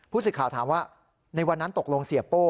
สิทธิ์ข่าวถามว่าในวันนั้นตกลงเสียโป้